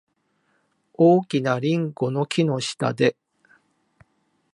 大きなリンゴの木の下で。